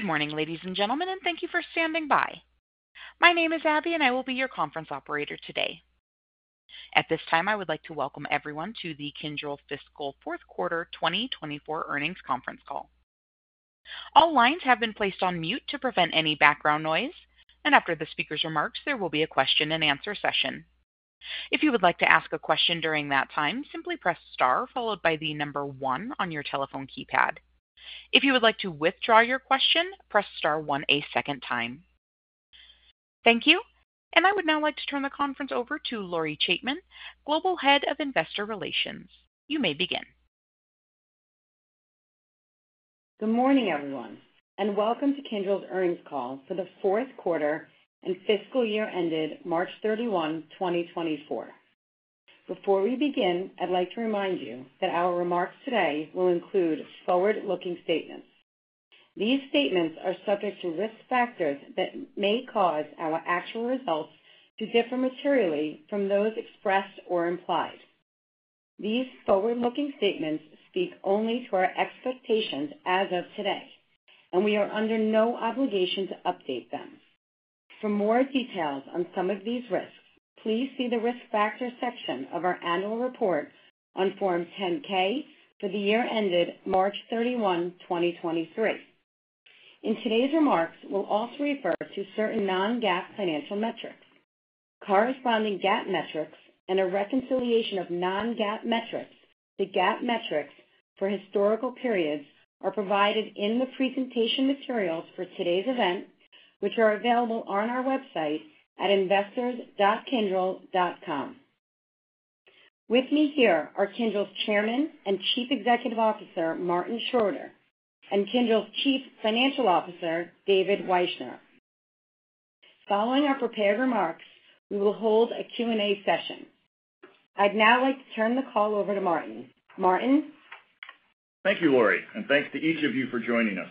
Good morning, ladies and gentlemen, and thank you for standing by. My name is Abby, and I will be your conference operator today. At this time, I would like to welcome everyone to the Kyndryl Fiscal Fourth Quarter 2024 Earnings Conference Call. All lines have been placed on mute to prevent any background noise, and after the speaker's remarks, there will be a question-and-answer session. If you would like to ask a question during that time, simply press star followed by the number one on your telephone keypad. If you would like to withdraw your question, press star one a second time. Thank you, and I would now like to turn the conference over to Lori Chaitman, Global Head of Investor Relations. You may begin. Good morning, everyone, and welcome to Kyndryl's earnings call for the fourth quarter and fiscal year ended March 31, 2024. Before we begin, I'd like to remind you that our remarks today will include forward-looking statements. These statements are subject to risk factors that may cause our actual results to differ materially from those expressed or implied. These forward-looking statements speak only to our expectations as of today, and we are under no obligation to update them. For more details on some of these risks, please see the Risk Factors section of our annual report on Form 10-K for the year ended March 31, 2023. In today's remarks, we'll also refer to certain non-GAAP financial metrics. Corresponding GAAP metrics and a reconciliation of non-GAAP metrics to GAAP metrics for historical periods are provided in the presentation materials for today's event, which are available on our website at investors.kyndryl.com. With me here are Kyndryl's Chairman and Chief Executive Officer, Martin Schroeter, and Kyndryl's Chief Financial Officer, David Wyshner. Following our prepared remarks, we will hold a Q&A session. I'd now like to turn the call over to Martin. Martin? Thank you, Lori, and thanks to each of you for joining us.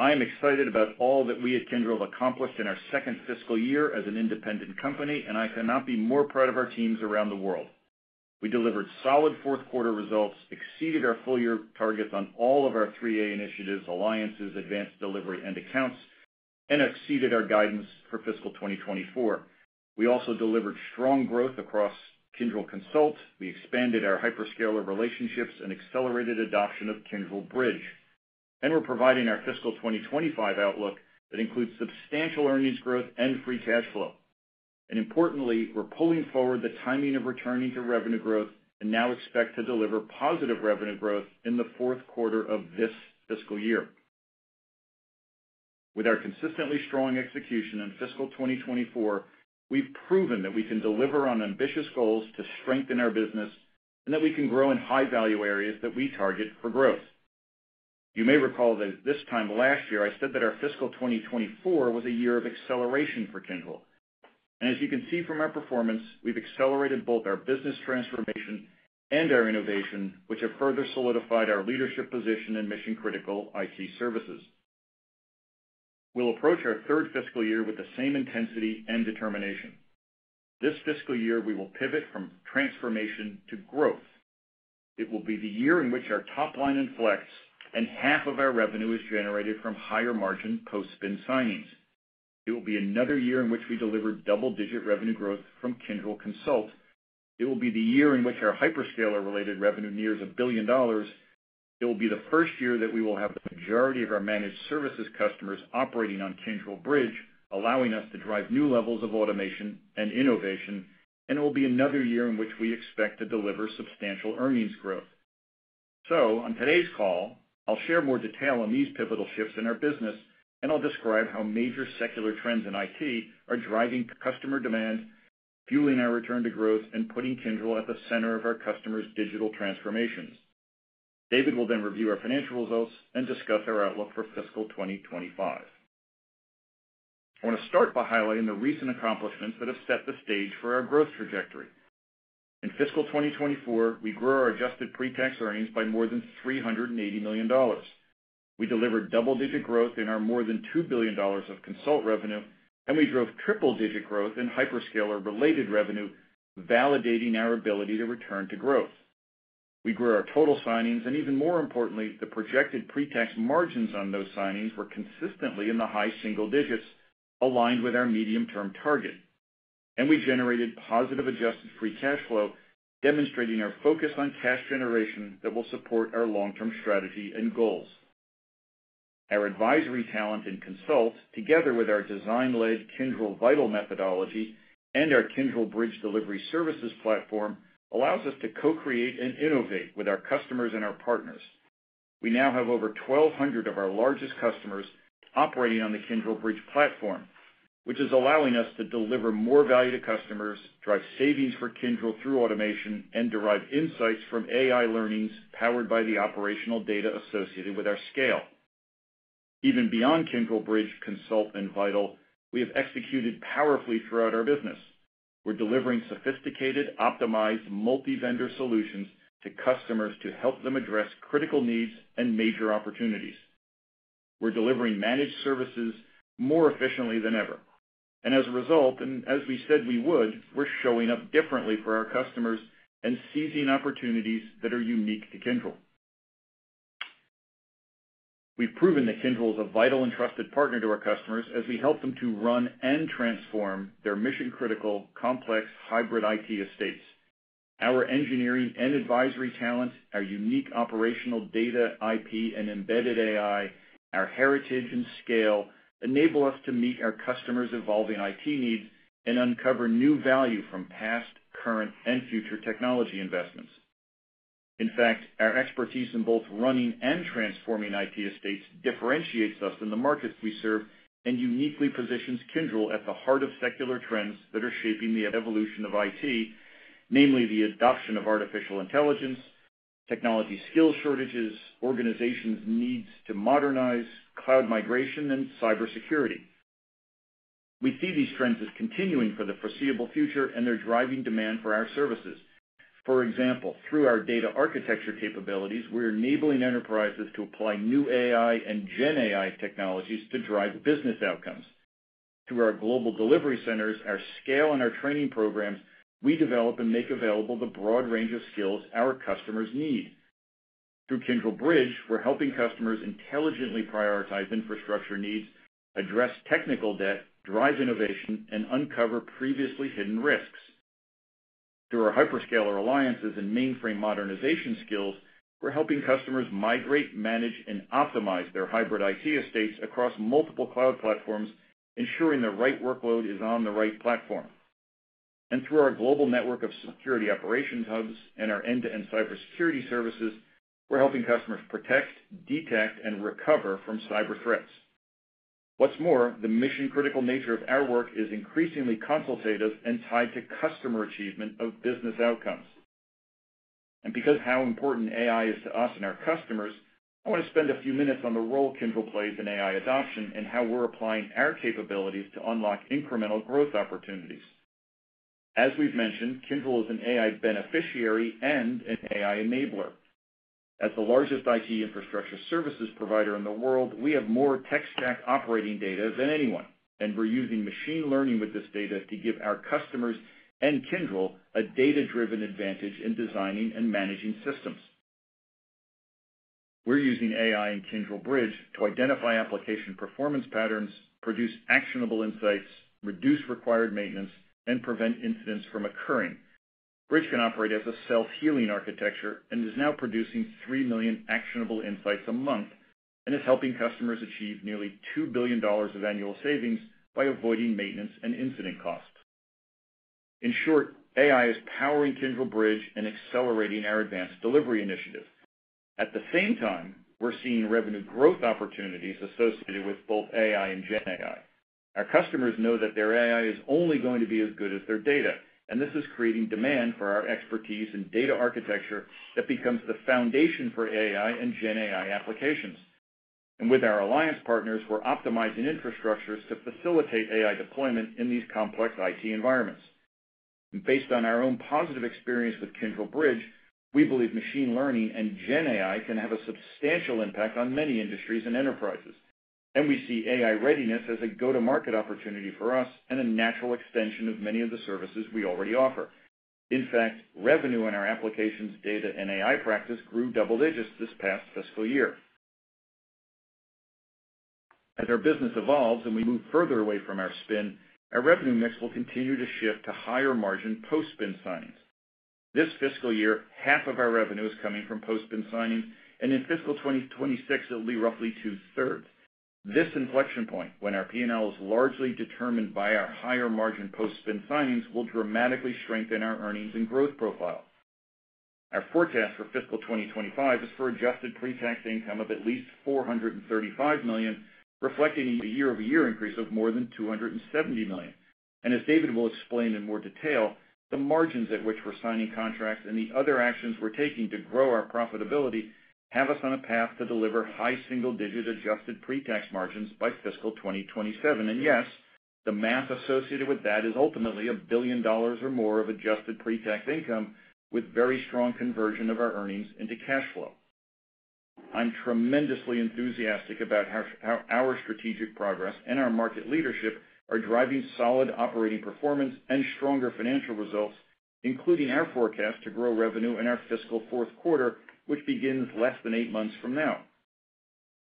I am excited about all that we at Kyndryl have accomplished in our second fiscal year as an independent company, and I cannot be more proud of our teams around the world. We delivered solid fourth quarter results, exceeded our full year targets on all of our Three-A initiatives, Alliances, Advanced Delivery, and Accounts, and exceeded our guidance for FY 2024. We also delivered strong growth across Kyndryl Consult. We expanded our hyperscaler relationships and accelerated adoption of Kyndryl Bridge. And we're providing our FY 2025 outlook that includes substantial earnings growth and free cash flow. And importantly, we're pulling forward the timing of returning to revenue growth and now expect to deliver positive revenue growth in the fourth quarter of this fiscal year. With our consistently strong execution in FY 2024, we've proven that we can deliver on ambitious goals to strengthen our business and that we can grow in high-value areas that we target for growth. You may recall that this time last year, I said that our FY 2024 was a year of acceleration for Kyndryl, and as you can see from our performance, we've accelerated both our business transformation and our innovation, which have further solidified our leadership position in mission-critical IT services. We'll approach our third fiscal year with the same intensity and determination. This fiscal year, we will pivot from transformation to growth. It will be the year in which our top line inflects, and half of our revenue is generated from higher-margin post-spin signings. It will be another year in which we deliver double-digit revenue growth from Kyndryl Consult. It will be the year in which our hyperscaler-related revenue nears $1 billion. It will be the first year that we will have the majority of our managed services customers operating on Kyndryl Bridge, allowing us to drive new levels of automation and innovation, and it will be another year in which we expect to deliver substantial earnings growth. So on today's call, I'll share more detail on these pivotal shifts in our business, and I'll describe how major secular trends in IT are driving customer demand, fueling our return to growth, and putting Kyndryl at the center of our customers' digital transformations. David will then review our financial results and discuss our outlook for FY 2025. I want to start by highlighting the recent accomplishments that have set the stage for our growth trajectory. In FY 2024, we grew our adjusted pre-tax earnings by more than $380 million. We delivered double-digit growth in our more than $2 billion of consult revenue, and we drove triple-digit growth in hyperscaler-related revenue, validating our ability to return to growth. We grew our total signings, and even more importantly, the projected pre-tax margins on those signings were consistently in the high single digits, aligned with our medium-term target. And we generated positive adjusted free cash flow, demonstrating our focus on cash generation that will support our long-term strategy and goals. Our advisory talent in Consult, together with our design-led Kyndryl Vital methodology and our Kyndryl Bridge delivery services platform, allows us to co-create and innovate with our customers and our partners. We now have over 1,200 of our largest customers operating on the Kyndryl Bridge platform, which is allowing us to deliver more value to customers, drive savings for Kyndryl through automation, and derive insights from AI learnings powered by the operational data associated with our scale. Even beyond Kyndryl Bridge, Consult, and Vital, we have executed powerfully throughout our business. We're delivering sophisticated, optimized, multi-vendor solutions to customers to help them address critical needs and major opportunities. We're delivering managed services more efficiently than ever. And as a result, and as we said we would, we're showing up differently for our customers and seizing opportunities that are unique to Kyndryl. We've proven that Kyndryl is a vital and trusted partner to our customers as we help them to run and transform their mission-critical, complex, hybrid IT estates. Our engineering and advisory talents, our unique operational data, IP, and embedded AI, our heritage and scale enable us to meet our customers' evolving IT needs and uncover new value from past, current, and future technology investments. In fact, our expertise in both running and transforming IT estates differentiates us in the markets we serve and uniquely positions Kyndryl at the heart of secular trends that are shaping the evolution of IT, namely the adoption of artificial intelligence, technology skill shortages, organizations' needs to modernize, cloud migration, and cybersecurity. We see these trends as continuing for the foreseeable future, and they're driving demand for our services. For example, through our data architecture capabilities, we're enabling enterprises to apply new AI and GenAI technologies to drive business outcomes. Through our global delivery centers, our scale, and our training programs, we develop and make available the broad range of skills our customers need. Through Kyndryl Bridge, we're helping customers intelligently prioritize infrastructure needs, address technical debt, drive innovation, and uncover previously hidden risks. Through our hyperscaler alliances and mainframe modernization skills, we're helping customers migrate, manage, and optimize their hybrid IT estates across multiple cloud platforms, ensuring the right workload is on the right platform. And through our global network of security operations hubs and our end-to-end cybersecurity services, we're helping customers protect, detect, and recover from cyber threats. What's more, the mission-critical nature of our work is increasingly consultative and tied to customer achievement of business outcomes. Because of how important AI is to us and our customers, I want to spend a few minutes on the role Kyndryl plays in AI adoption and how we're applying our capabilities to unlock incremental growth opportunities. As we've mentioned, Kyndryl is an AI beneficiary and an AI enabler. As the largest IT infrastructure services provider in the world, we have more tech stack operating data than anyone, and we're using machine learning with this data to give our customers and Kyndryl a data-driven advantage in designing and managing systems. We're using AI and Kyndryl Bridge to identify application performance patterns, produce actionable insights, reduce required maintenance, and prevent incidents from occurring. Bridge can operate as a self-healing architecture and is now producing three million actionable insights a month, and is helping customers achieve nearly $2 billion of annual savings by avoiding maintenance and incident costs. In short, AI is powering Kyndryl Bridge and accelerating our Advanced Delivery initiative. At the same time, we're seeing revenue growth opportunities associated with both AI and GenAI. Our customers know that their AI is only going to be as good as their data, and this is creating demand for our expertise in data architecture that becomes the foundation for AI and GenAI applications. And with our alliance partners, we're optimizing infrastructures to facilitate AI deployment in these complex IT environments. Based on our own positive experience with Kyndryl Bridge, we believe machine learning and GenAI can have a substantial impact on many industries and enterprises, and we see AI readiness as a go-to-market opportunity for us and a natural extension of many of the services we already offer. In fact, revenue in our Applications, Data, and AI practice grew double digits this past fiscal year. As our business evolves and we move further away from our spin, our revenue mix will continue to shift to higher-margin post-spin signings. This fiscal year, half of our revenue is coming from post-spin signings, and in FY 2026, it'll be roughly two-thirds. This inflection point, when our P&L is largely determined by our higher-margin post-spin signings, will dramatically strengthen our earnings and growth profile. Our forecast for FY 2025 is for Adjusted Pre-tax Income of at least $435 million, reflecting a year-over-year increase of more than $270 million. And as David will explain in more detail, the margins at which we're signing contracts and the other actions we're taking to grow our profitability have us on a path to deliver high single-digit adjusted pre-tax margins by FY 2027. Yes, the math associated with that is ultimately $1 billion or more of Adjusted Pre-tax Income, with very strong conversion of our earnings into cash flow. I'm tremendously enthusiastic about how our strategic progress and our market leadership are driving solid operating performance and stronger financial results, including our forecast to grow revenue in our fiscal fourth quarter, which begins less than eight months from now.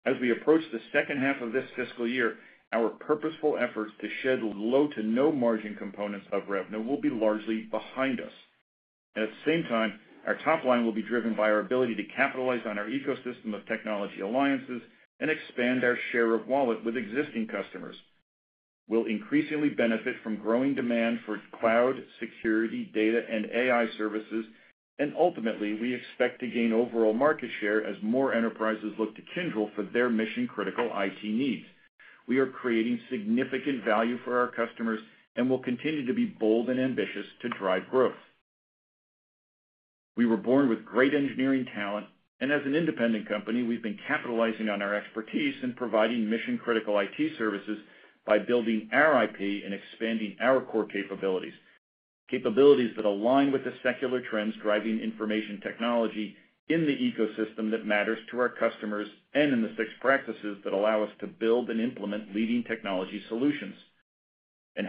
As we approach the second half of this fiscal year, our purposeful efforts to shed low to no margin components of revenue will be largely behind us. At the same time, our top line will be driven by our ability to capitalize on our ecosystem of technology alliances and expand our share of wallet with existing customers. We'll increasingly benefit from growing demand for cloud, security, data, and AI services, and ultimately, we expect to gain overall market share as more enterprises look to Kyndryl for their mission-critical IT needs. We are creating significant value for our customers and will continue to be bold and ambitious to drive growth. We were born with great engineering talent, and as an independent company, we've been capitalizing on our expertise in providing mission-critical IT services by building our IP and expanding our core capabilities that align with the secular trends driving information technology in the ecosystem that matters to our customers and in the six practices that allow us to build and implement leading technology solutions.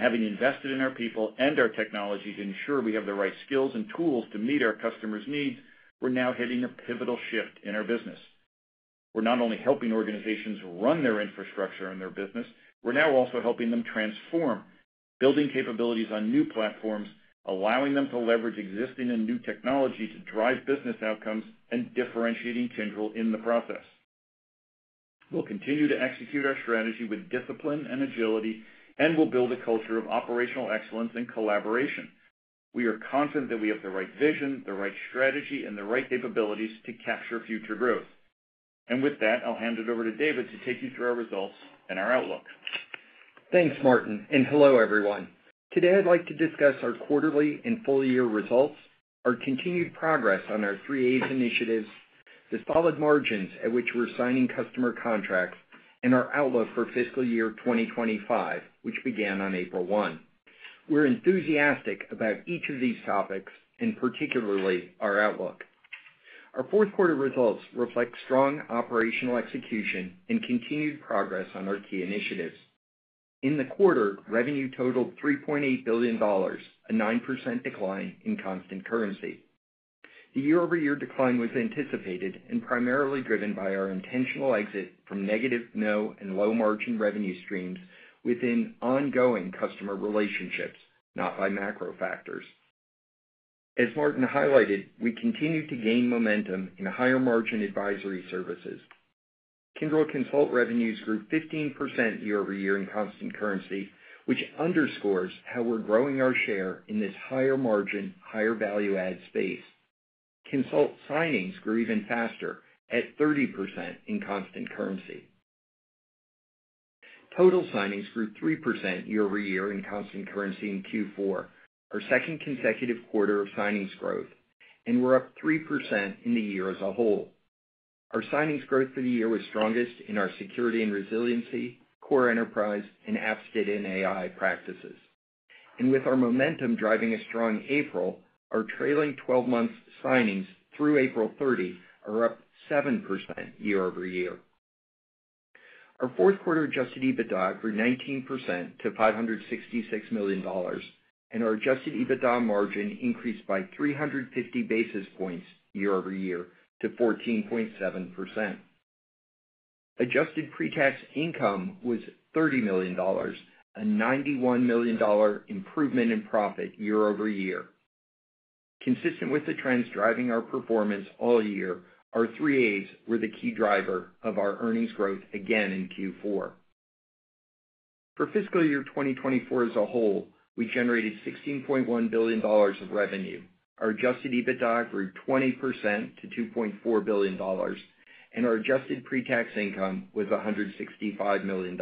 Having invested in our people and our technology to ensure we have the right skills and tools to meet our customers' needs, we're now hitting a pivotal shift in our business. We're not only helping organizations run their infrastructure and their business, we're now also helping them transform, building capabilities on new platforms, allowing them to leverage existing and new technology to drive business outcomes and differentiating Kyndryl in the process. We'll continue to execute our strategy with discipline and agility, and we'll build a culture of operational excellence and collaboration. We are confident that we have the right vision, the right strategy, and the right capabilities to capture future growth. With that, I'll hand it over to David to take you through our results and our outlook. Thanks, Martin, and hello, everyone. Today, I'd like to discuss our quarterly and full-year results, our continued progress on our Three-A's initiatives, the solid margins at which we're signing customer contracts, and our outlook for fiscal year 2025, which began on April 1. We're enthusiastic about each of these topics, and particularly our outlook. Our fourth quarter results reflect strong operational execution and continued progress on our key initiatives. In the quarter, revenue totaled $3.8 billion, a 9% decline in constant currency. The year-over-year decline was anticipated and primarily driven by our intentional exit from negative and low-margin revenue streams within ongoing customer relationships, not by macro factors. As Martin highlighted, we continued to gain momentum in higher-margin advisory services. Kyndryl Consult revenues grew 15% year-over-year in constant currency, which underscores how we're growing our share in this higher-margin, higher-value-add space. Consult signings grew even faster, at 30% in constant currency. Total signings grew 3% year-over-year in constant currency in Q4, our second consecutive quarter of signings growth, and we're up 3% in the year as a whole. Our signings growth for the year was strongest in our Security and Resiliency, Core Enterprise, and Apps, Tata, and AI practices. With our momentum driving a strong April, our trailing twelve-month signings through April 30 are up 7% year-over-year. Our fourth quarter Adjusted EBITDA grew 19% to $566 million, and our Adjusted EBITDA margin increased by 350 basis points year-over-year to 14.7%. Adjusted pre-tax income was $30 million, a $91 million improvement in profit year-over-year. Consistent with the trends driving our performance all year, our Three-A's were the key driver of our earnings growth again in Q4. For FY 2024 as a whole, we generated $16.1 billion of revenue. Our adjusted EBITDA grew 20% to $2.4 billion, and our adjusted pre-tax income was $165 million,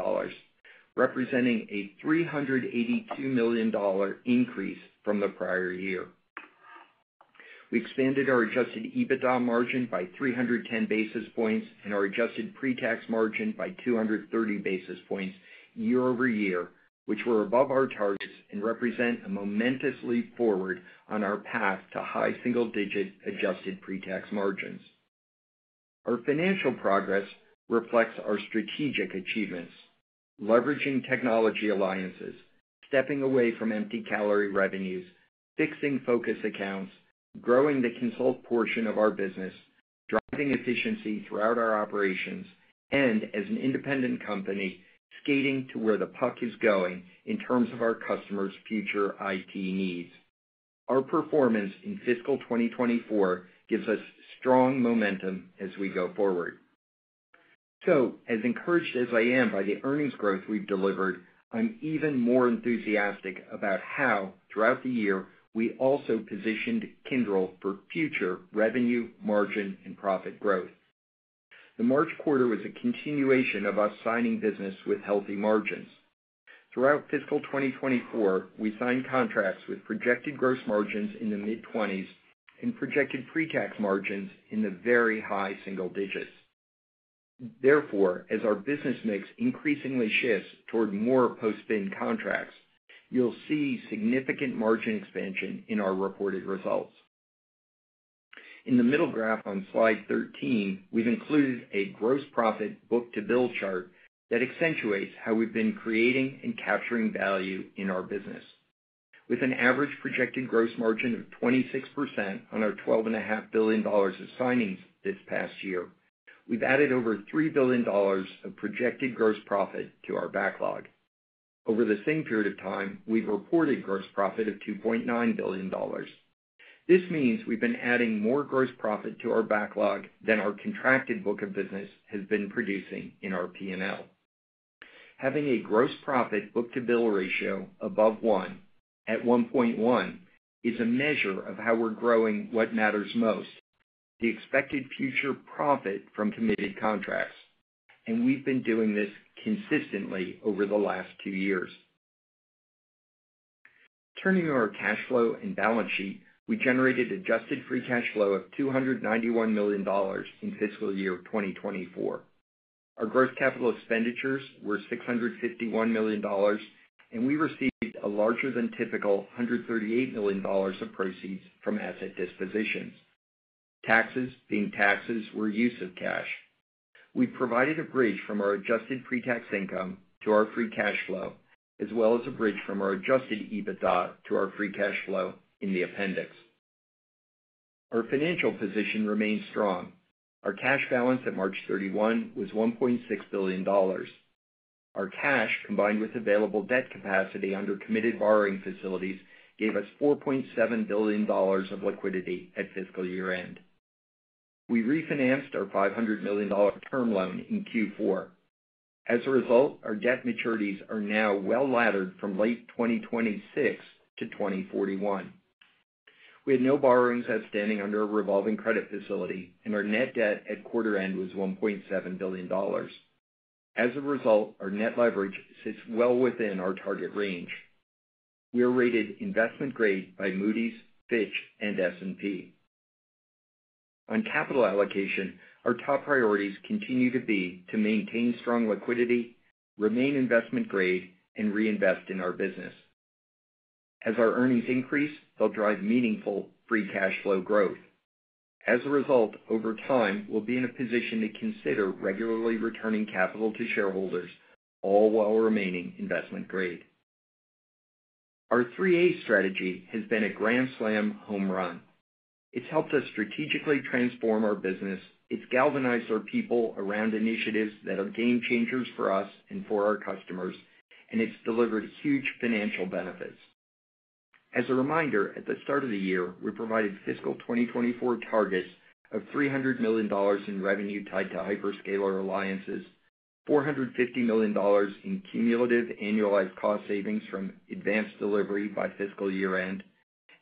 representing a $382 million increase from the prior year. We expanded our adjusted EBITDA margin by 310 basis points and our adjusted pre-tax margin by 230 basis points year-over-year, which were above our targets and represent a momentous leap forward on our path to high single-digit adjusted pre-tax margins. Our financial progress reflects our strategic achievements, leveraging technology alliances, stepping away from empty-calorie revenues, fixing Focus Accounts, growing the consult portion of our business, driving efficiency throughout our operations, and as an independent company, skating to where the puck is going in terms of our customers' future IT needs. Our performance in FY 2024 gives us strong momentum as we go forward. So as encouraged as I am by the earnings growth we've delivered, I'm even more enthusiastic about how, throughout the year, we also positioned Kyndryl for future revenue, margin, and profit growth. The March quarter was a continuation of us signing business with healthy margins. Throughout FY 2024, we signed contracts with projected gross margins in the mid-20s and projected pre-tax margins in the very high single digits. Therefore, as our business mix increasingly shifts toward more post-spin contracts, you'll see significant margin expansion in our reported results. In the middle graph on slide 13, we've included a gross profit book-to-bill chart that accentuates how we've been creating and capturing value in our business. With an average projected gross margin of 26% on our $12.5 billion of signings this past year, we've added over $3 billion of projected gross profit to our backlog. Over the same period of time, we've reported gross profit of $2.9 billion. This means we've been adding more gross profit to our backlog than our contracted book of business has been producing in our P&L. Having a gross profit book-to-bill ratio above one at 1.1 is a measure of how we're growing what matters most, the expected future profit from committed contracts, and we've been doing this consistently over the last two years. Turning to our cash flow and balance sheet, we generated Adjusted Free Cash Flow of $291 million in FY 2024. Our gross capital expenditures were $651 million, and we received a larger than typical $138 million of proceeds from asset dispositions. Taxes, being taxes, were use of cash. We provided a bridge from our Adjusted Pre-tax Income to our free cash flow, as well as a bridge from our Adjusted EBITDA to our free cash flow in the appendix. Our financial position remains strong. Our cash balance at March 31 was $1.6 billion. Our cash, combined with available debt capacity under committed borrowing facilities, gave us $4.7 billion of liquidity at fiscal year-end. We refinanced our $500 million term loan in Q4. As a result, our debt maturities are now well laddered from late 2026 to 2041. We had no borrowings outstanding under a revolving credit facility, and our net debt at quarter end was $1.7 billion. As a result, our net leverage sits well within our target range. We are rated investment grade by Moody's, Fitch, and S&P. On capital allocation, our top priorities continue to be to maintain strong liquidity, remain investment grade, and reinvest in our business. As our earnings increase, they'll drive meaningful free cash flow growth. As a result, over time, we'll be in a position to consider regularly returning capital to shareholders, all while remaining investment grade. Our Three-A strategy has been a grand slam home run. It's helped us strategically transform our business, it's galvanized our people around initiatives that are game changers for us and for our customers, and it's delivered huge financial benefits. As a reminder, at the start of the year, we provided FY 2024 targets of $300 million in revenue tied to hyperscaler alliances, $450 million in cumulative annualized cost savings from advanced delivery by fiscal year-end,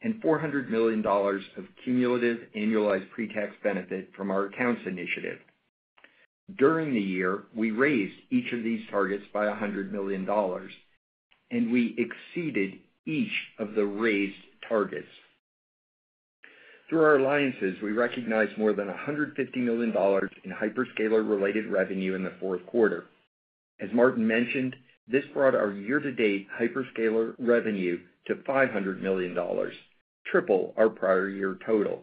and $400 million of cumulative annualized pre-tax benefit from our accounts initiative. During the year, we raised each of these targets by $100 million, and we exceeded each of the raised targets. Through our alliances, we recognized more than $150 million in hyperscaler-related revenue in the fourth quarter. As Martin mentioned, this brought our year-to-date hyperscaler revenue to $500 million, triple our prior year total.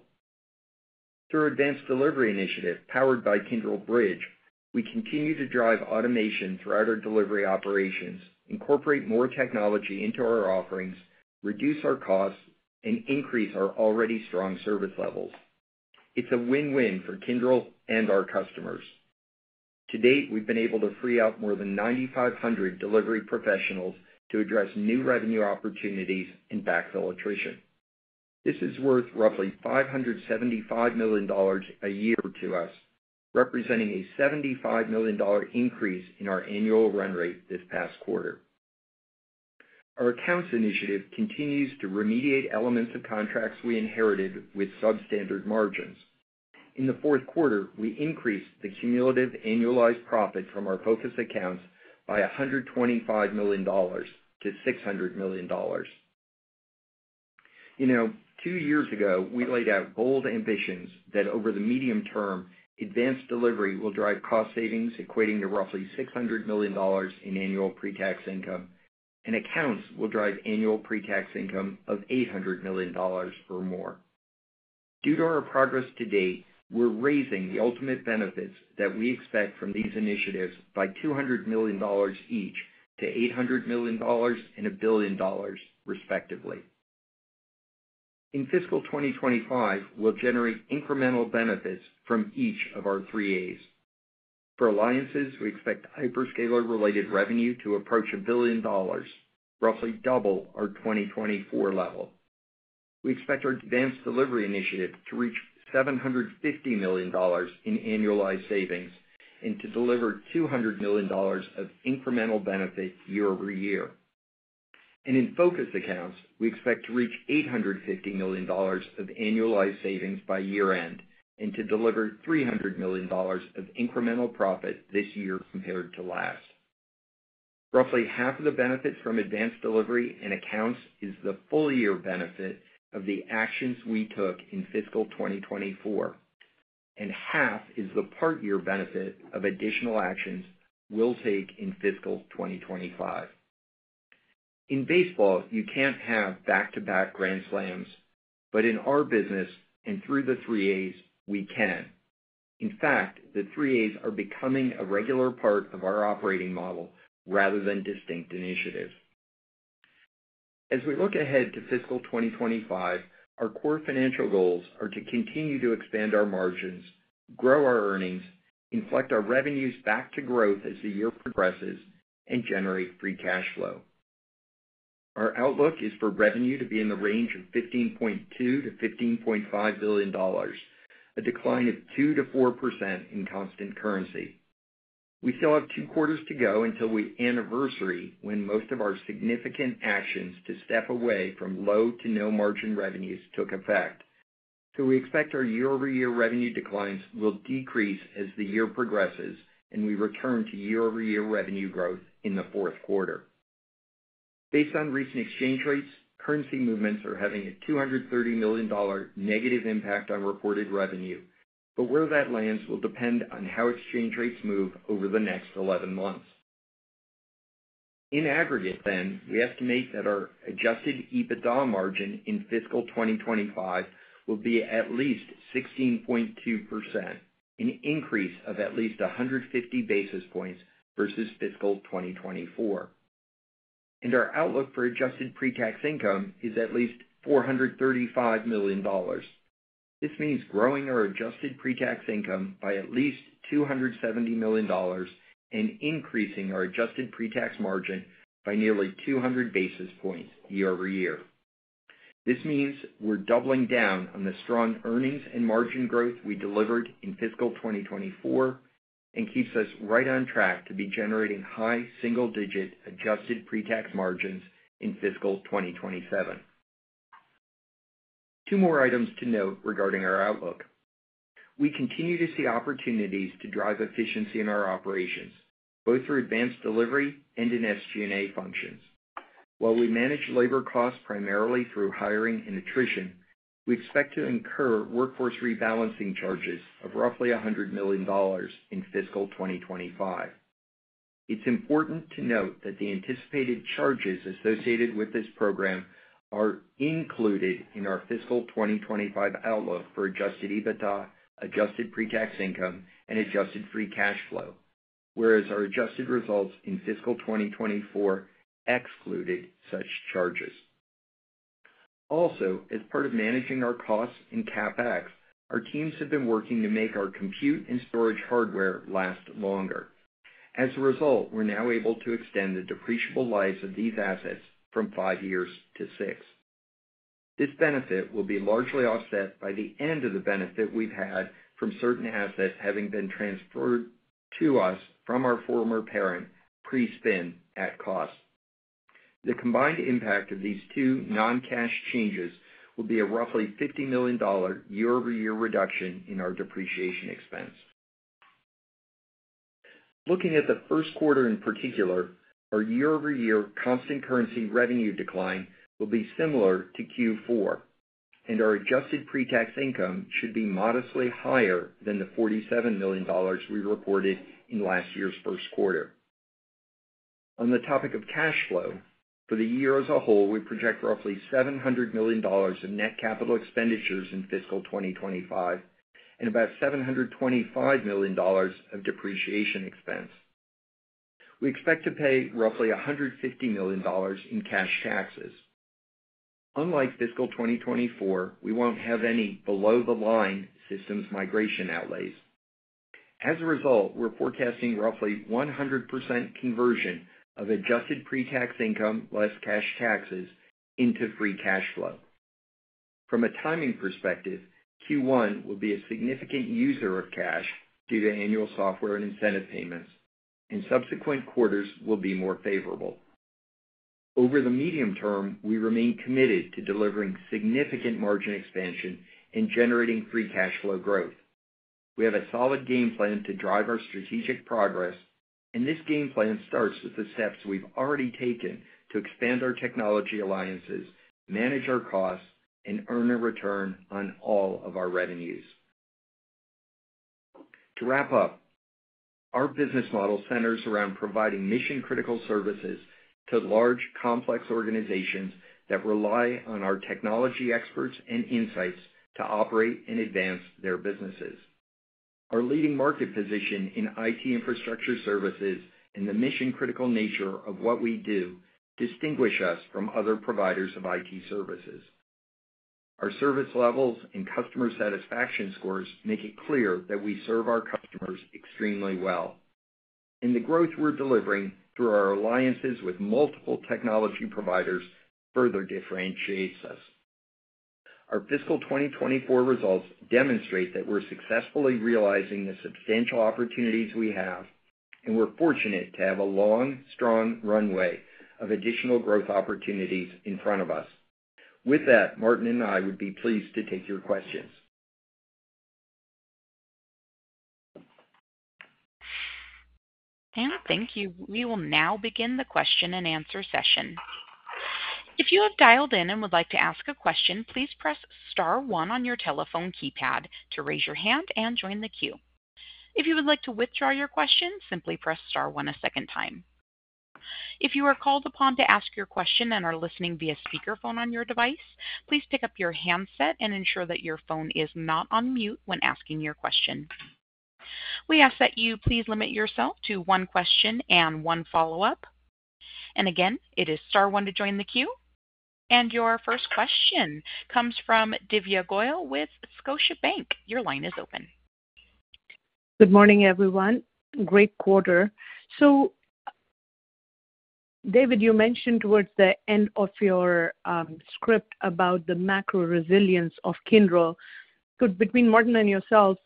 Through our advanced delivery initiative, powered by Kyndryl Bridge, we continue to drive automation throughout our delivery operations, incorporate more technology into our offerings, reduce our costs, and increase our already strong service levels. It's a win-win for Kyndryl and our customers. To date, we've been able to free up more than 9,500 delivery professionals to address new revenue opportunities and backfill attrition. This is worth roughly $575 million a year to us, representing a $75 million increase in our annual run rate this past quarter. Our accounts initiative continues to remediate elements of contracts we inherited with substandard margins. In the fourth quarter, we increased the cumulative annualized profit from our Focus Accounts by $125 million to $600 million. You know, two years ago, we laid out bold ambitions that over the medium term, advanced delivery will drive cost savings equating to roughly $600 million in annual pre-tax income, and accounts will drive annual pre-tax income of $800 million or more. Due to our progress to date, we're raising the ultimate benefits that we expect from these initiatives by $200 million each to $800 million and $1 billion, respectively. In FY 2025, we'll generate incremental benefits from each of our three As. For alliances, we expect hyperscaler-related revenue to approach $1 billion, roughly double our 2024 level. We expect our advanced delivery initiative to reach $750 million in annualized savings and to deliver $200 million of incremental benefit year-over-year. And in Focus Accounts, we expect to reach $850 million of annualized savings by year-end and to deliver $300 million of incremental profit this year compared to last. Roughly half of the benefit from advanced delivery and accounts is the full year benefit of the actions we took in FY 2024, and half is the part year benefit of additional actions we'll take in FY 2025. In baseball, you can't have back-to-back grand slams, but in our business and through the Three A's, we can. In fact, the Three A's are becoming a regular part of our operating model rather than distinct initiatives. As we look ahead to FY 2025, our core financial goals are to continue to expand our margins, grow our earnings, inflect our revenues back to growth as the year progresses, and generate free cash flow. Our outlook is for revenue to be in the range of $15.2 billion-$15.5 billion, a decline of 2%-4% in constant currency. We still have two quarters to go until we anniversary when most of our significant actions to step away from low to no margin revenues took effect. So we expect our year-over-year revenue declines will decrease as the year progresses, and we return to year-over-year revenue growth in the fourth quarter. Based on recent exchange rates, currency movements are having a $230 million negative impact on reported revenue, but where that lands will depend on how exchange rates move over the next 11 months. In aggregate then, we estimate that our Adjusted EBITDA margin in FY 2025 will be at least 16.2%, an increase of at least 150 basis points versus FY 2024. And our outlook for Adjusted Pre-tax Income is at least $435 million. This means growing our Adjusted Pre-tax Income by at least $270 million and increasing our Adjusted Pre-tax Income margin by nearly 200 basis points year-over-year. This means we're doubling down on the strong earnings and margin growth we delivered in FY 2024 and keeps us right on track to be generating high single-digit adjusted pre-tax margins in FY 2027. Two more items to note regarding our outlook. We continue to see opportunities to drive efficiency in our operations, both through advanced delivery and in SG&A functions. While we manage labor costs primarily through hiring and attrition, we expect to incur workforce rebalancing charges of roughly $100 million in FY 2025. It's important to note that the anticipated charges associated with this program are included in our FY 2025 outlook for adjusted EBITDA, adjusted pre-tax income, and adjusted free cash flow, whereas our adjusted results in FY 2024 excluded such charges. Also, as part of managing our costs in CapEx, our teams have been working to make our compute and storage hardware last longer. As a result, we're now able to extend the depreciable lives of these assets from five years to six. This benefit will be largely offset by the end of the benefit we've had from certain assets having been transferred to us from our former parent pre-spin at cost. The combined impact of these two non-cash changes will be a roughly $50 million year-over-year reduction in our depreciation expense. Looking at the first quarter, in particular, our year-over-year constant currency revenue decline will be similar to Q4, and our adjusted pre-tax income should be modestly higher than the $47 million we reported in last year's first quarter. On the topic of cash flow, for the year as a whole, we project roughly $700 million in net capital expenditures in FY 2025 and about $725 million of depreciation expense. We expect to pay roughly $150 million in cash taxes. Unlike FY 2024, we won't have any below-the-line systems migration outlays. As a result, we're forecasting roughly 100% conversion of Adjusted Pre-tax Income less cash taxes into free cash flow. From a timing perspective, Q1 will be a significant user of cash due to annual software and incentive payments, and subsequent quarters will be more favorable. Over the medium term, we remain committed to delivering significant margin expansion and generating free cash flow growth. We have a solid game plan to drive our strategic progress, and this game plan starts with the steps we've already taken to expand our technology alliances, manage our costs, and earn a return on all of our revenues. To wrap up, our business model centers around providing mission-critical services to large, complex organizations that rely on our technology experts and insights to operate and advance their businesses. Our leading market position in IT infrastructure services and the mission-critical nature of what we do distinguish us from other providers of IT services. Our service levels and customer satisfaction scores make it clear that we serve our customers extremely well, and the growth we're delivering through our alliances with multiple technology providers further differentiates us. Our FY 2024 results demonstrate that we're successfully realizing the substantial opportunities we have, and we're fortunate to have a long, strong runway of additional growth opportunities in front of us. With that, Martin and I would be pleased to take your questions. Thank you. We will now begin the question-and-answer session. If you have dialed in and would like to ask a question, please press star one on your telephone keypad to raise your hand and join the queue. If you would like to withdraw your question, simply press star one a second time. If you are called upon to ask your question and are listening via speakerphone on your device, please pick up your handset and ensure that your phone is not on mute when asking your question. We ask that you please limit yourself to one question and one follow-up. And again, it is star one to join the queue. And your first question comes from Divya Goyal with Scotiabank. Your line is open. Good morning, everyone. Great quarter. So, David, you mentioned towards the end of your script about the macro resilience of Kyndryl. Could between Martin and yourself,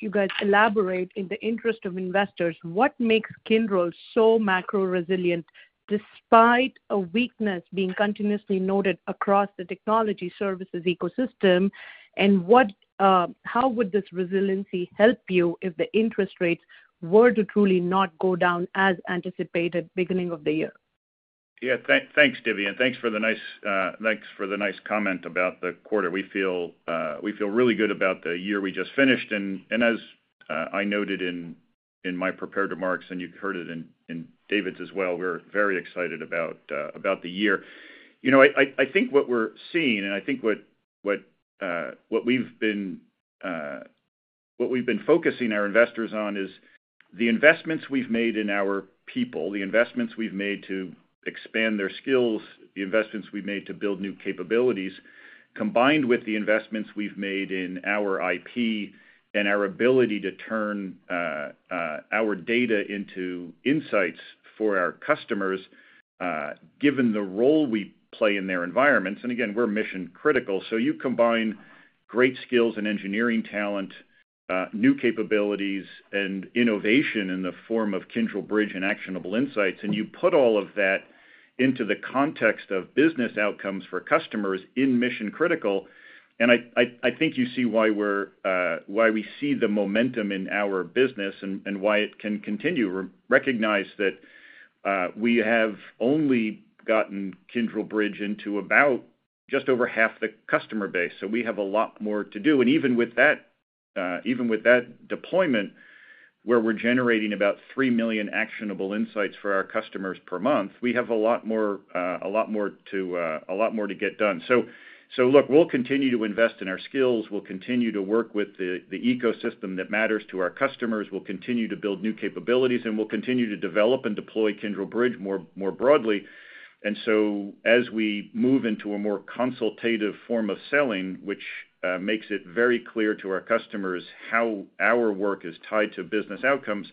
you guys elaborate in the interest of investors, what makes Kyndryl so macro resilient, despite a weakness being continuously noted across the technology services ecosystem? And what, how would this resiliency help you if the interest rates were to truly not go down as anticipated beginning of the year? Yeah, thanks, Divya, and thanks for the nice comment about the quarter. We feel really good about the year we just finished, and as I noted in my prepared remarks, and you've heard it in David's as well, we're very excited about the year. You know, I think what we're seeing, and I think what we've been focusing our investors on is the investments we've made in our people, the investments we've made to expand their skills, the investments we've made to build new capabilities, combined with the investments we've made in our IP and our ability to turn our data into insights for our customers, given the role we play in their environments, and again, we're mission-critical. So you combine great skills and engineering talent, new capabilities, and innovation in the form of Kyndryl Bridge and actionable insights, and you put all of that into the context of business outcomes for customers in mission-critical, and I think you see why we're, why we see the momentum in our business and why it can continue. Recognize that we have only gotten Kyndryl Bridge into about just over half the customer base, so we have a lot more to do. And even with that deployment, where we're generating about three million actionable insights for our customers per month, we have a lot more to get done. So look, we'll continue to invest in our skills. We'll continue to work with the ecosystem that matters to our customers. We'll continue to build new capabilities, and we'll continue to develop and deploy Kyndryl Bridge more, more broadly. And so as we move into a more consultative form of selling, which makes it very clear to our customers how our work is tied to business outcomes,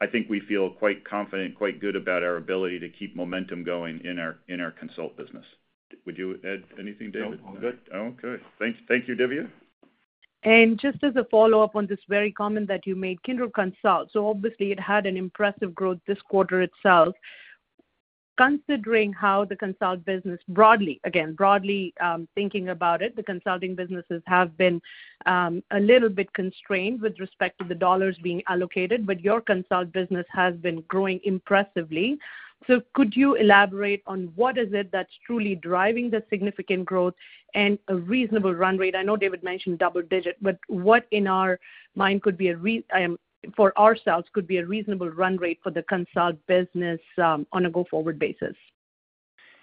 I think we feel quite confident, quite good about our ability to keep momentum going in our, in our consult business. Would you add anything, David? No, I'm good. Oh, good. Thank you, Divya. Just as a follow-up on this very comment that you made, Kyndryl Consult. Obviously it had an impressive growth this quarter itself. Considering how the consult business broadly, again, broadly, thinking about it, the consulting businesses have been a little bit constrained with respect to the dollars being allocated, but your consult business has been growing impressively. Could you elaborate on what is it that's truly driving the significant growth and a reasonable run rate? I know David mentioned double digit, but what in our mind could be, for ourselves, could be a reasonable run rate for the consult business on a go-forward basis?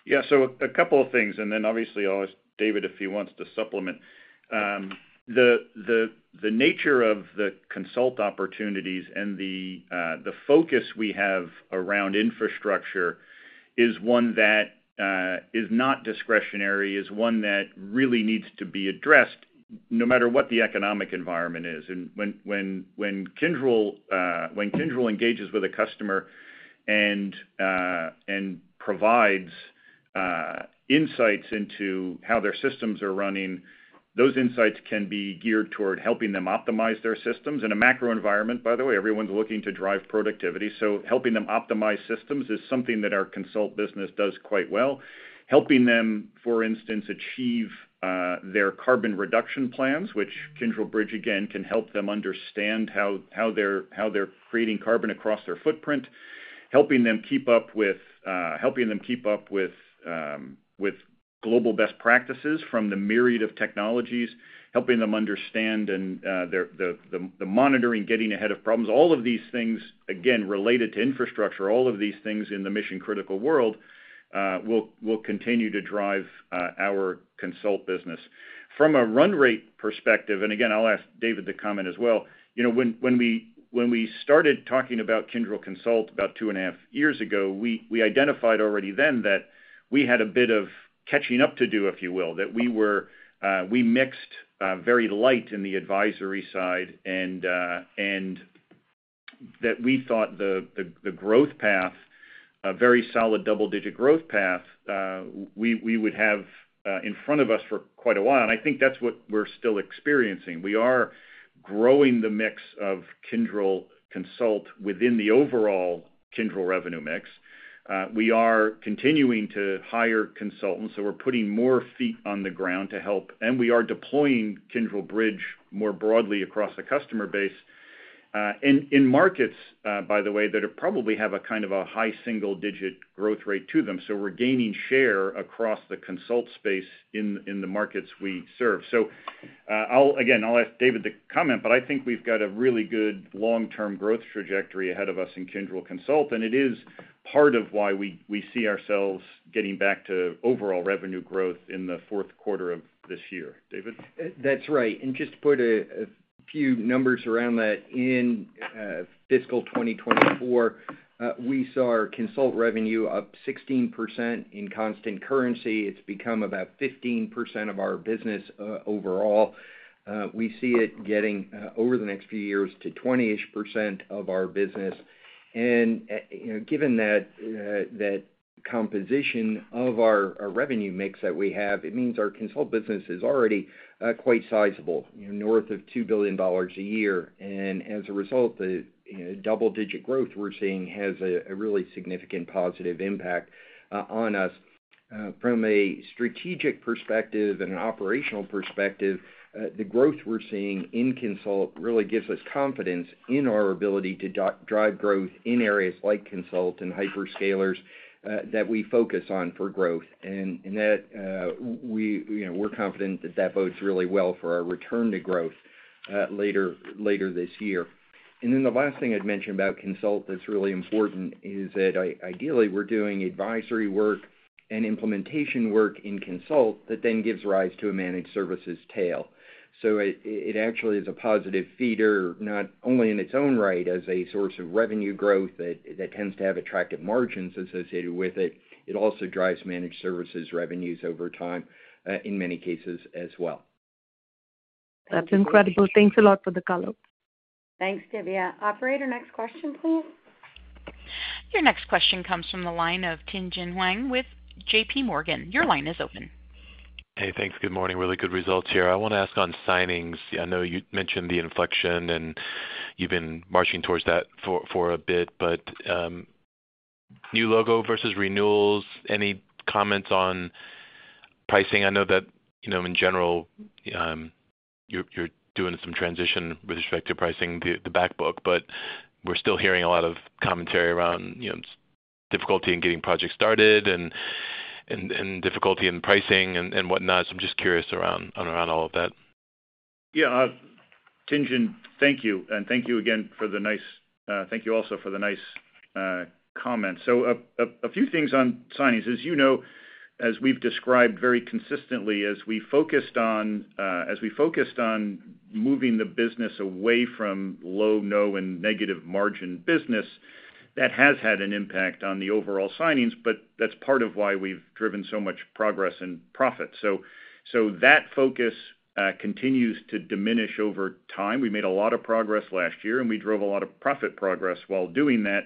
Yeah, so a couple of things, and then obviously, I'll ask David, if he wants to supplement. The nature of the consult opportunities and the focus we have around infrastructure is one that is not discretionary, is one that really needs to be addressed no matter what the economic environment is. And when Kyndryl engages with a customer and provides insights into how their systems are running, those insights can be geared toward helping them optimize their systems. In a macro environment, by the way, everyone's looking to drive productivity, so helping them optimize systems is something that our consult business does quite well. Helping them, for instance, achieve their carbon reduction plans, which Kyndryl Bridge, again, can help them understand how they're creating carbon across their footprint, helping them keep up with global best practices from the myriad of technologies, helping them understand and the monitoring, getting ahead of problems. All of these things, again, related to infrastructure, all of these things in the mission-critical world, will continue to drive our consult business. From a run rate perspective, and again, I'll ask David to comment as well, you know, when we started talking about Kyndryl Consult about 2.5 years ago, we identified already then that we had a bit of catching up to do, if you will, that we were very light in the advisory side and that we thought the growth path, a very solid double-digit growth path, we would have in front of us for quite a while, and I think that's what we're still experiencing. We are growing the mix of Kyndryl Consult within the overall Kyndryl revenue mix. We are continuing to hire consultants, so we're putting more feet on the ground to help, and we are deploying Kyndryl Bridge more broadly across the customer base, in markets, by the way, that probably have a kind of a high single-digit growth rate to them. So we're gaining share across the consult space in the markets we serve. So, I'll again ask David to comment, but I think we've got a really good long-term growth trajectory ahead of us in Kyndryl Consult, and it is part of why we see ourselves getting back to overall revenue growth in the fourth quarter of this year. David? That's right. And just to put a few numbers around that, in FY 2024, we saw our consult revenue up 16% in constant currency. It's become about 15% of our business overall. We see it getting over the next few years to 20%ish of our business. And you know, given that composition of our revenue mix that we have, it means our consult business is already quite sizable, you know, north of $2 billion a year. And as a result, you know, double-digit growth we're seeing has a really significant positive impact on us. From a strategic perspective and an operational perspective, the growth we're seeing in consult really gives us confidence in our ability to drive growth in areas like consult and hyperscalers that we focus on for growth. And that, we, you know, we're confident that that bodes really well for our return to growth later this year. And then the last thing I'd mention about consult that's really important is that ideally, we're doing advisory work and implementation work in consult, that then gives rise to a managed services tail. So it actually is a positive feeder, not only in its own right, as a source of revenue growth that tends to have attractive margins associated with it, it also drives managed services revenues over time in many cases as well. That's incredible. Thanks a lot for the color. Thanks, Divya. Operator, next question, please. Your next question comes from the line of Tien-Tsin Huang with J.P. Morgan. Your line is open. Hey, thanks. Good morning, really good results here. I want to ask on signings. I know you mentioned the inflection, and you've been marching towards that for a bit, but new logo versus renewals, any comments on pricing? I know that, you know, in general, you're doing some transition with respect to pricing the back book, but we're still hearing a lot of commentary around, you know, difficulty in getting projects started and difficulty in pricing and whatnot. So I'm just curious around all of that. Yeah, Tien-Tsin, thank you. And thank you again for the nice, thank you also for the nice comments. So a few things on signings. As you know, as we've described very consistently, as we focused on, as we focused on moving the business away from low, no, and negative margin business, that has had an impact on the overall signings, but that's part of why we've driven so much progress and profit. So that focus continues to diminish over time. We made a lot of progress last year, and we drove a lot of profit progress while doing that.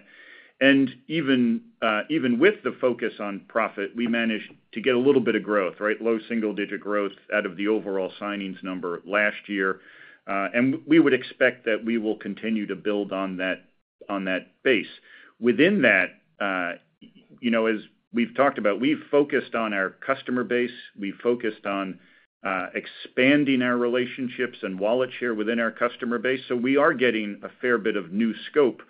And even, even with the focus on profit, we managed to get a little bit of growth, right? Low single-digit growth out of the overall signings number last year. We would expect that we will continue to build on that, on that base. Within that, you know, as we've talked about, we've focused on our customer base, we've focused on expanding our relationships and wallet share within our customer base. We are getting a fair bit of new scope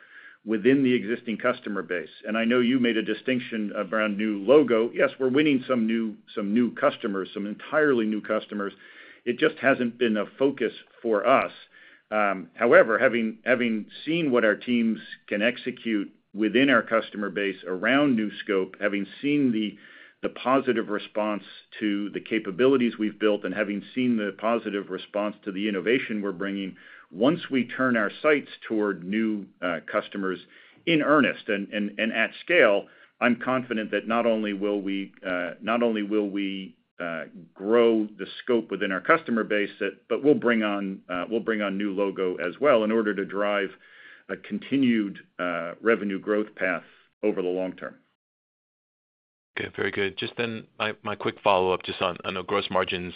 within the existing customer base. I know you made a distinction around new logo. Yes, we're winning some new, some new customers, some entirely new customers. It just hasn't been a focus for us. However, having seen what our teams can execute within our customer base around new scope, having seen the positive response to the capabilities we've built, and having seen the positive response to the innovation we're bringing, once we turn our sights toward new customers in earnest and at scale, I'm confident that not only will we grow the scope within our customer base, but we'll bring on new logo as well in order to drive a continued revenue growth path over the long term. Okay, very good. Just then, my quick follow-up, just on, I know gross margins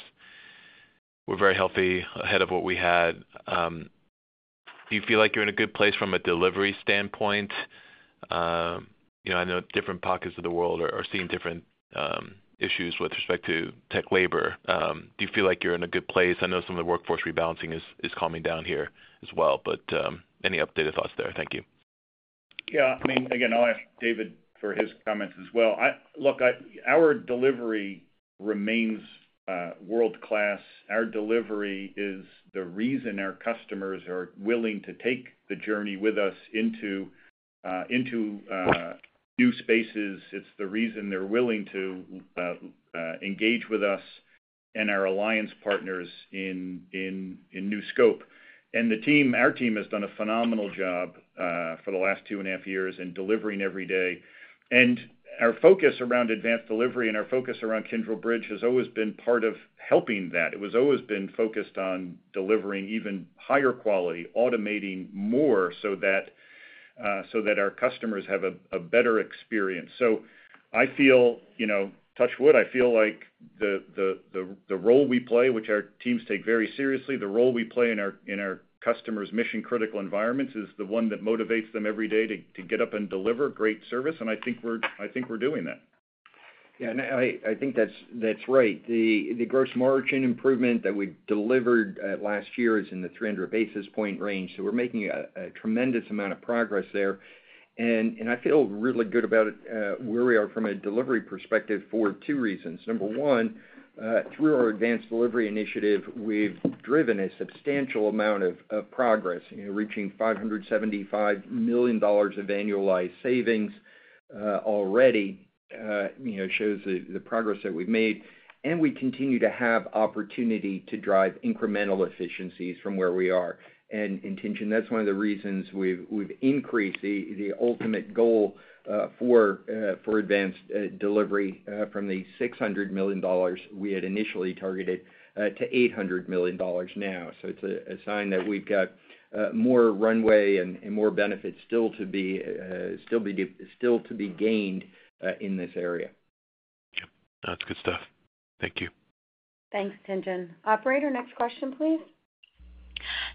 were very healthy ahead of what we had. Do you feel like you're in a good place from a delivery standpoint? You know, I know different pockets of the world are seeing different issues with respect to tech labor. Do you feel like you're in a good place? I know some of the workforce rebalancing is calming down here as well, but any updated thoughts there? Thank you. Yeah, I mean, again, I'll ask David for his comments as well. Look, our delivery remains world-class. Our delivery is the reason our customers are willing to take the journey with us into new spaces. It's the reason they're willing to engage with us and our alliance partners in new scope. And the team, our team, has done a phenomenal job for the last two and a half years in delivering every day. And our focus around advanced delivery and our focus around Kyndryl Bridge has always been part of helping that. It was always been focused on delivering even higher quality, automating more so that our customers have a better experience. I feel, you know, touch wood, I feel like the role we play, which our teams take very seriously, the role we play in our customers' mission-critical environments, is the one that motivates them every day to get up and deliver great service, and I think we're doing that. Yeah, and I think that's right. The gross margin improvement that we delivered last year is in the 300 basis point range, so we're making a tremendous amount of progress there. And I feel really good about where we are from a delivery perspective for two reasons. Number one, through our advanced delivery initiative, we've driven a substantial amount of progress, you know, reaching $575 million of annualized savings already, you know, shows the progress that we've made, and we continue to have opportunity to drive incremental efficiencies from where we are. And in tandem, that's one of the reasons we've increased the ultimate goal for advanced delivery from the $600 million we had initially targeted to $800 million now. So it's a sign that we've got more runway and more benefits still to be gained in this area. Yep. That's good stuff. Thank you. Thanks, Tien-Tsin. Operator, next question, please?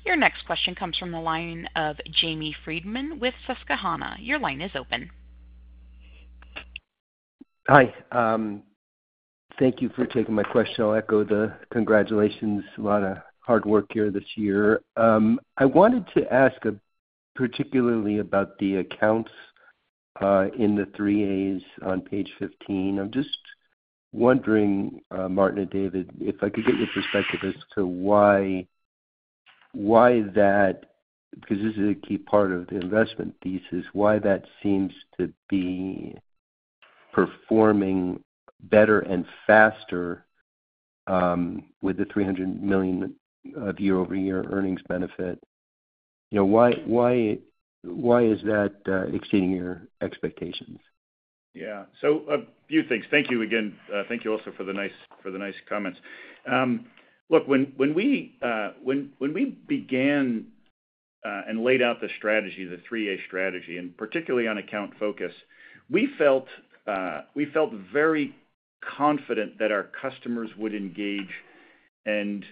Your next question comes from the line of Jamie Friedman with Susquehanna. Your line is open. Hi, thank you for taking my question. I'll echo the congratulations. A lot of hard work here this year. I wanted to ask particularly about the accounts, in the Three A's on page 15. I'm just wondering, Martin and David, if I could get your perspective as to why, why that... Because this is a key part of the investment thesis, why that seems to be performing better and faster, with the $300 million of year-over-year earnings benefit. You know, why is that exceeding your expectations? Yeah. So a few things. Thank you again. Thank you also for the nice comments. Look, when we began and laid out the strategy, the Three A's strategy, and particularly on account focus, we felt very confident that our customers would engage and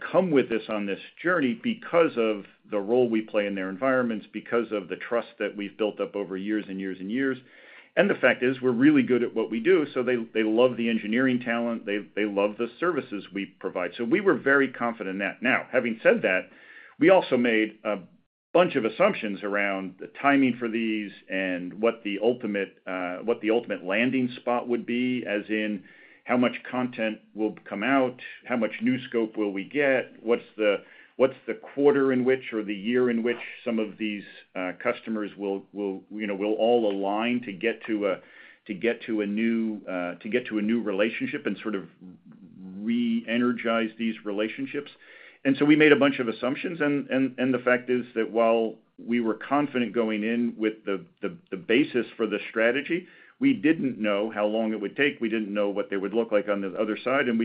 come with us on this journey because of the role we play in their environments, because of the trust that we've built up over years and years and years. And the fact is, we're really good at what we do, so they love the engineering talent, they love the services we provide. So we were very confident in that. Now, having said that, we also made a bunch of assumptions around the timing for these and what the ultimate landing spot would be, as in how much content will come out, how much new scope will we get, what's the quarter in which, or the year in which some of these customers will, you know, will all align to get to a new relationship and sort of reenergize these relationships. And so we made a bunch of assumptions, and the fact is that while we were confident going in with the basis for the strategy, we didn't know how long it would take. We didn't know what they would look like on the other side, and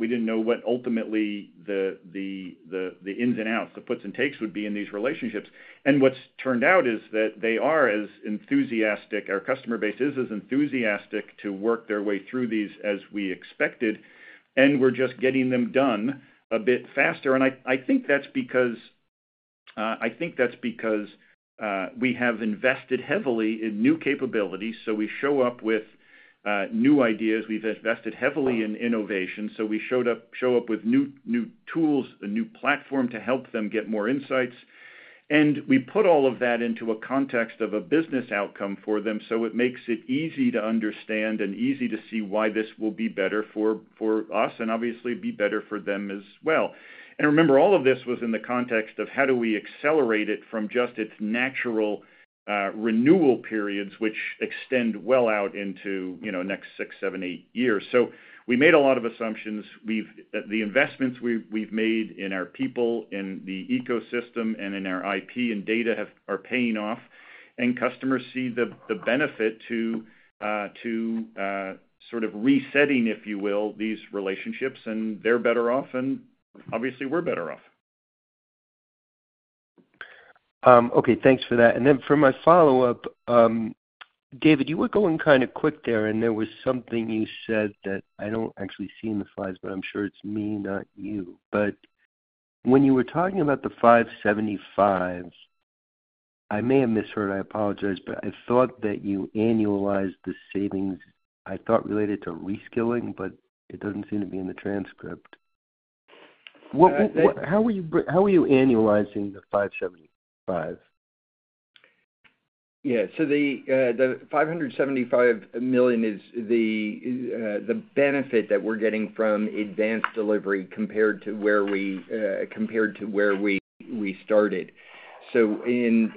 we didn't know what ultimately the ins and outs, the puts and takes would be in these relationships. And what's turned out is that they are as enthusiastic, our customer base is as enthusiastic to work their way through these as we expected, and we're just getting them done a bit faster. And I think that's because we have invested heavily in new capabilities, so we show up with new ideas. We've invested heavily in innovation, so we show up with new tools, a new platform to help them get more insights. We put all of that into a context of a business outcome for them, so it makes it easy to understand and easy to see why this will be better for us and obviously be better for them as well. Remember, all of this was in the context of how do we accelerate it from just its natural renewal periods, which extend well out into, you know, next six, seven, eight years. So we made a lot of assumptions. The investments we've made in our people, in the ecosystem, and in our IP and data are paying off, and customers see the benefit to sort of resetting, if you will, these relationships, and they're better off and obviously we're better off. Okay, thanks for that. And then for my follow-up, David, you were going kind of quick there, and there was something you said that I don't actually see in the slides, but I'm sure it's me, not you. But when you were talking about the $575 million, I may have misheard, I apologize, but I thought that you annualized the savings, I thought, related to reskilling, but it doesn't seem to be in the transcript. What, how were you, how were you annualizing the $575 million? Yeah. So the $575 million is the benefit that we're getting from advanced delivery compared to where we started. So in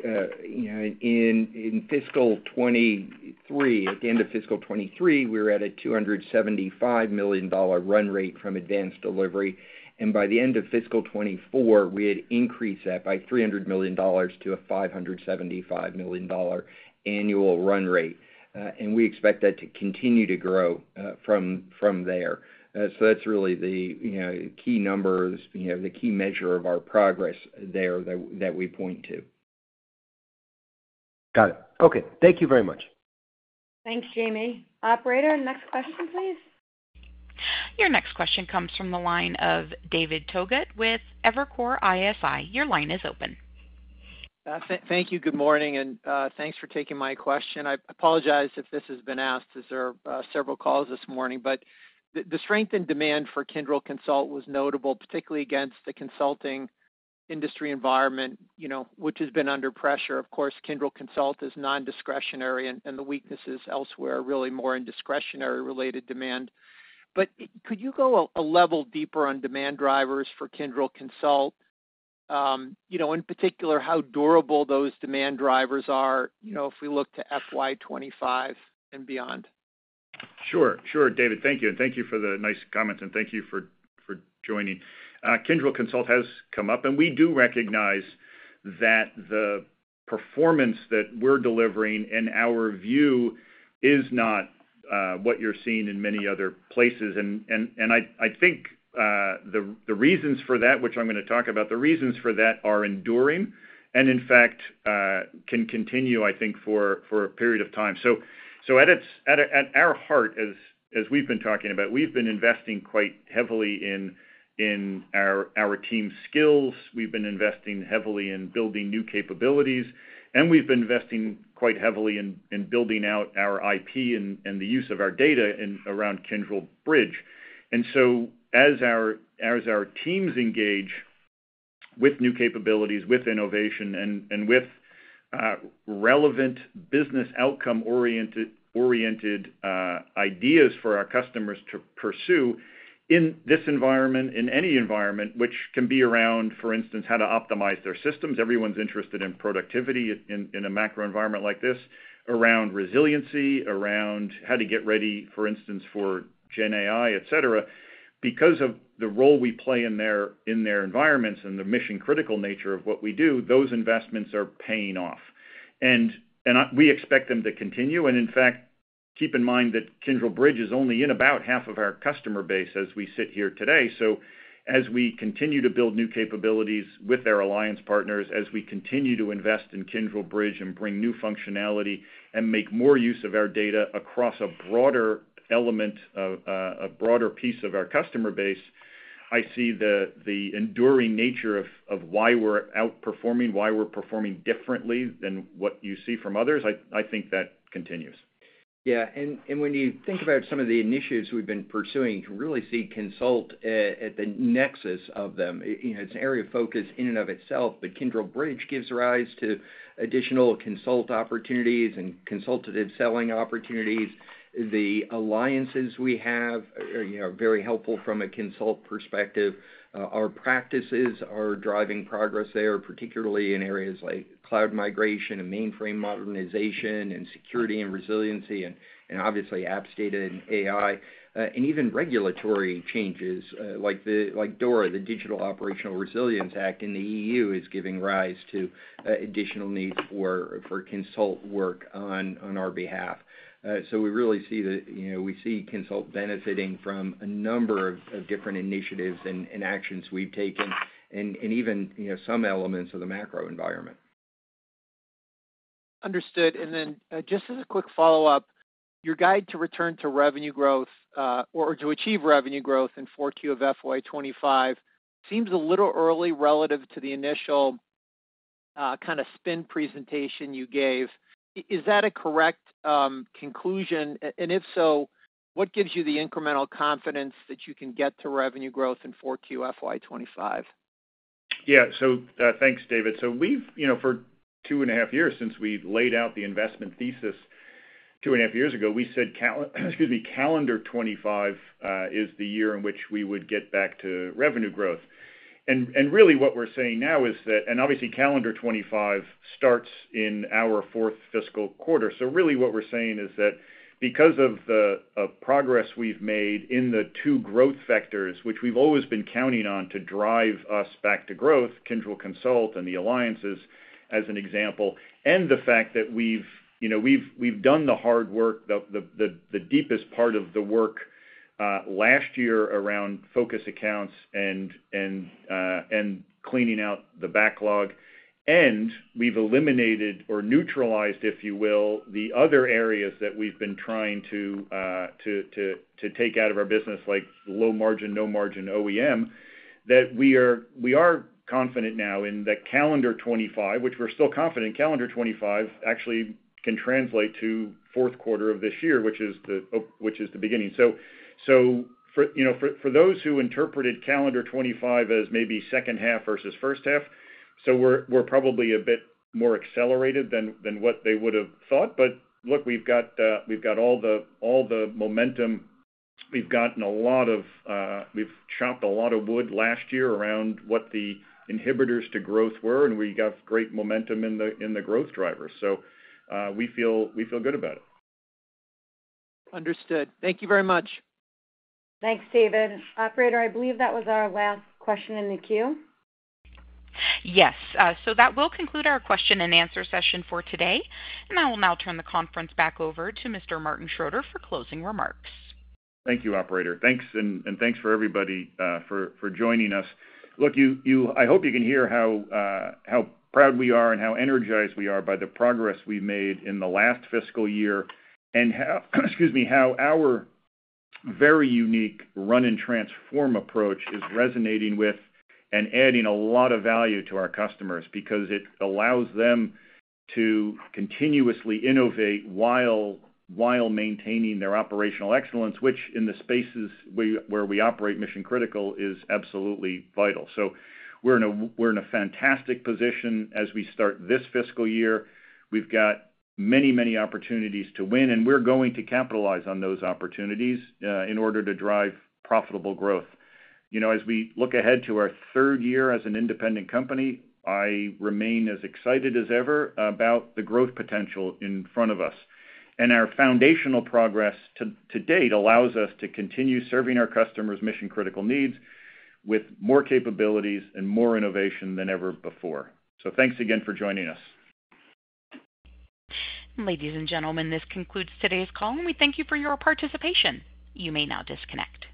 you know in fiscal 2023, at the end of fiscal 2023, we were at a $275 million run rate from advanced delivery, and by the end of FY 2024, we had increased that by $300 million to a $575 million annual run rate. And we expect that to continue to grow from there. So that's really the you know key numbers, you know, the key measure of our progress there that we point to. Got it. Okay. Thank you very much. Thanks, Jamie. Operator, next question, please. Your next question comes from the line of David Togut with Evercore ISI. Your line is open. Thank you. Good morning, and thanks for taking my question. I apologize if this has been asked, as there are several calls this morning. But the strength and demand for Kyndryl Consult was notable, particularly against the consulting industry environment, you know, which has been under pressure. Of course, Kyndryl Consult is non-discretionary, and the weakness is elsewhere, really more in discretionary-related demand. But could you go a level deeper on demand drivers for Kyndryl Consult? You know, in particular, how durable those demand drivers are, you know, if we look to FY 2025 and beyond. Sure, sure, David. Thank you, and thank you for the nice comments, and thank you for joining. Kyndryl Consult has come up, and we do recognize that the performance that we're delivering in our view is not what you're seeing in many other places. I think the reasons for that, which I'm gonna talk about, the reasons for that are enduring, and in fact, can continue, I think, for a period of time. So at its heart, as we've been talking about, we've been investing quite heavily in our team's skills, we've been investing heavily in building new capabilities, and we've been investing quite heavily in building out our IP and the use of our data in around Kyndryl Bridge. And so as our teams engage with new capabilities, with innovation, and with relevant business outcome-oriented ideas for our customers to pursue in this environment, in any environment, which can be around, for instance, how to optimize their systems. Everyone's interested in productivity in a macro environment like this, around resiliency, around how to get ready, for instance, for GenAI, et cetera. Because of the role we play in their environments and the mission-critical nature of what we do, those investments are paying off. And we expect them to continue, and in fact, keep in mind that Kyndryl Bridge is only in about half of our customer base as we sit here today. So as we continue to build new capabilities with our alliance partners, as we continue to invest in Kyndryl Bridge and bring new functionality, and make more use of our data across a broader element, a broader piece of our customer base, I see the enduring nature of why we're outperforming, why we're performing differently than what you see from others. I think that continues. Yeah, and when you think about some of the initiatives we've been pursuing, you really see consult at the nexus of them. You know, it's an area of focus in and of itself, but Kyndryl Bridge gives rise to additional consult opportunities and consultative selling opportunities. The alliances we have are, you know, very helpful from a consult perspective. Our practices are driving progress there, particularly in areas like cloud migration and mainframe modernization, and security and resiliency, and obviously, app state and AI. And even regulatory changes, like DORA, the Digital Operational Resilience Act in the EU, is giving rise to additional needs for consult work on our behalf. So we really see the, you know, we see consult benefiting from a number of different initiatives and actions we've taken, and even, you know, some elements of the macro environment. Understood. And then, just as a quick follow-up, your guide to return to revenue growth, or to achieve revenue growth in Q4 of FY 2025, seems a little early relative to the initial, kind of spin presentation you gave. Is that a correct conclusion? And if so, what gives you the incremental confidence that you can get to revenue growth in Q4 FY 2025? Yeah. So, thanks, David. So we've, you know, for 2.5 years, since we've laid out the investment thesis 2.5 years ago, we said calendar 2025 is the year in which we would get back to revenue growth. And really, what we're saying now is that. And obviously, calendar 2025 starts in our fourth fiscal quarter. So really, what we're saying is that because of the progress we've made in the two growth vectors, which we've always been counting on to drive us back to growth, Kyndryl Consult and the alliances, as an example, and the fact that we've, you know, we've done the hard work, the deepest part of the work last year around Focus Accounts and cleaning out the backlog. We've eliminated or neutralized, if you will, the other areas that we've been trying to take out of our business, like low margin, no margin OEM, that we are confident now in that calendar 2025, which we're still confident, calendar 2025 actually can translate to fourth quarter of this year, which is the beginning. So for, you know, for those who interpreted calendar 2025 as maybe second half versus first half, we're probably a bit more accelerated than what they would have thought. But look, we've got all the momentum. We've chopped a lot of wood last year around what the inhibitors to growth were, and we got great momentum in the growth drivers, so we feel good about it. Understood. Thank you very much. Thanks, David. Operator, I believe that was our last question in the queue. Yes. So that will conclude our question and answer session for today, and I will now turn the conference back over to Mr. Martin Schroeter for closing remarks. Thank you, operator. Thanks, and thanks for everybody for joining us. Look, I hope you can hear how proud we are and how energized we are by the progress we've made in the last fiscal year, and how, excuse me, how our very unique run and transform approach is resonating with and adding a lot of value to our customers. Because it allows them to continuously innovate while maintaining their operational excellence, which in the spaces where we operate, mission-critical, is absolutely vital. So we're in a fantastic position as we start this fiscal year. We've got many, many opportunities to win, and we're going to capitalize on those opportunities in order to drive profitable growth. You know, as we look ahead to our third year as an independent company, I remain as excited as ever about the growth potential in front of us. Our foundational progress to date allows us to continue serving our customers' mission-critical needs with more capabilities and more innovation than ever before. Thanks again for joining us. Ladies and gentlemen, this concludes today's call, and we thank you for your participation. You may now disconnect.